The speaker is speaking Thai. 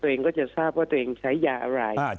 ตัวเองก็จะทราบว่าตัวเองใช้ยาอะไร